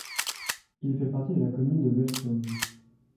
Il fait partie de la commune de Velsen.